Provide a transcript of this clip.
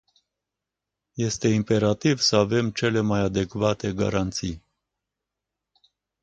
Este imperativ să avem cele mai adecvate garanții.